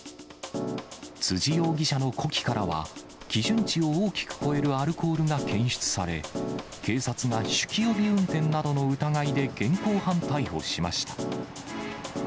辻容疑者の呼気からは、基準値を大きく超えるアルコールが検出され、警察が酒気帯び運転などの疑いで現行犯逮捕しました。